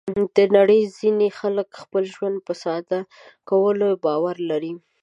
د نړۍ ځینې خلک د خپل ژوند په ساده کولو باور لري.